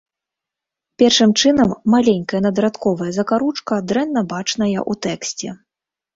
Першым чынам, маленькая надрадковая закаручка дрэнна бачная ў тэксце.